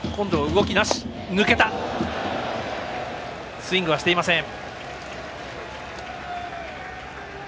スイングはしていません。